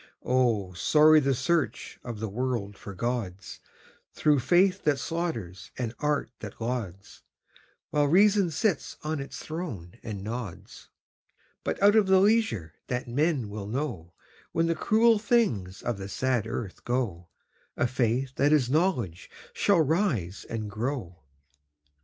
Oh, sorry the search of the world for gods, Through faith that slaughters and art that lauds, While reason sits on its throne and nods. But out of the leisure that men will know, When the cruel things of the sad earth go, A Faith that is Knowledge shall rise and grow.